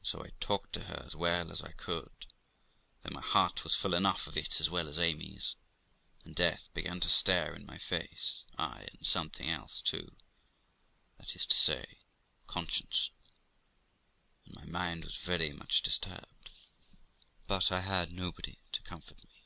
And so I talked to her as well as I could, though my heart was full enough of it, as well as Amy's; and death began to stare in my face; ay, and something else too that is to say, conscience, and my mind was very much disturbed ; but I had nobody to comfort me.